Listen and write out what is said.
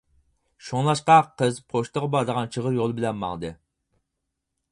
شۇڭلاشقا قىز پوچتىغا بارىدىغان چىغىر يول بىلەن ماڭدى.